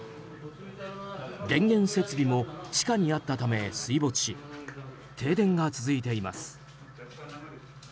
電源設備も地下にあったため水没し、停電が続いています。